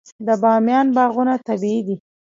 د بامیان باغونه طبیعي دي.